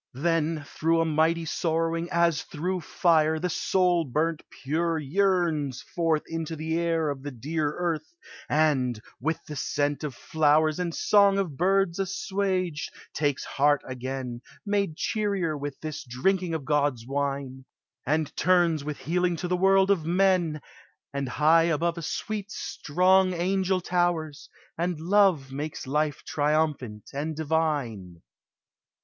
Then through a mighty sorrowing, as through fire, The soul burnt pure yearns forth into the air Of the dear earth and, with the scent of flowers And song of birds assuaged, takes heart again, Made cheerier with this drinking of God's wine, And turns with healing to the world of men, And high above a sweet strong angel towers, And Love makes life triumphant and divine.